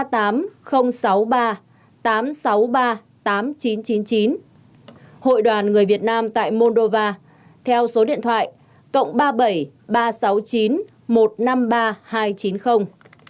tại moldova đại sứ quán việt nam tại ukraine kiêm nhiệm moldova theo số điện thoại cộng ba trăm bảy mươi ba trăm sáu mươi chín một trăm năm mươi ba hai trăm chín mươi